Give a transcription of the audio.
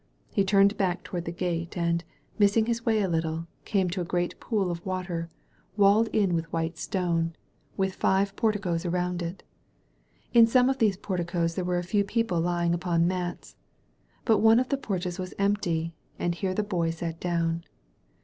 He turned back toward the gate, and, missing his 290 SlOy THE BOY OP NAZAEETH DEEAMS ^^1 way a little, came to a great pool of water, walled ^i^k in with white stone, with five porticos around it* In some of these porticos there were a few people dmk lying upon mats. But one of the porches was empty, r, tool and here the Boy sat down.